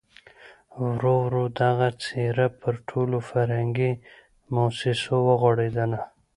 ورو ورو دغه څېره پر ټولو فرهنګي مؤسسو وغوړېدله.